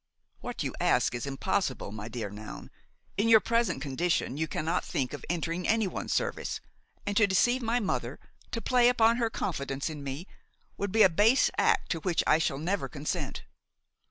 "What you ask is impossible, my dear Noun. In your present condition you cannot think of entering anyone's service; and to deceive my mother–to play upon her confidence in me–would be a base act to which I shall never consent.